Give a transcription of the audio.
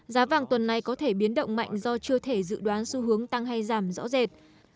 giá vàng tuần này có thể biến động mạnh do chưa thể dự đoán xu hướng tăng hay giảm rõ rệt